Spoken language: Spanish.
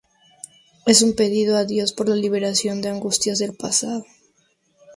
Es un pedido a Dios por la liberación de las angustias del pasado.